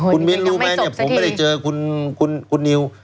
คุณมิ้นรู้ไหมผมไม่ได้เจอคุณนิวคุณมิ้นรู้ไหมผมไม่ได้เจอคุณนิว